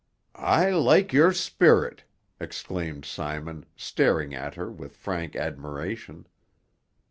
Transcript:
"I like your spirit!" exclaimed Simon, staring at her with frank admiration.